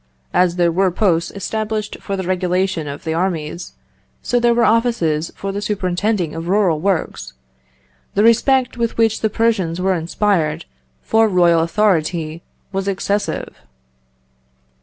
As there were posts established for the regulation of the armies, so there were offices for the superintending of rural works.... The respect with which the Persians were inspired for royal authority was excessive."